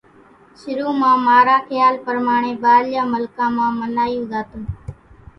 شرو مان مارا کيال پرماڻي ٻارليان ملڪان مان منايون زاتون